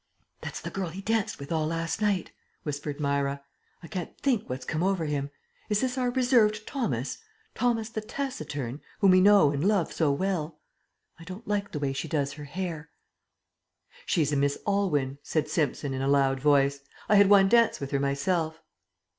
"That's the girl he danced with all last night," whispered Myra. "I can't think what's come over him. Is this our reserved Thomas Thomas the taciturn, whom we know and love so well? I don't like the way she does her hair." "She's a Miss Aylwyn," said Simpson in a loud voice. "I had one dance with her myself."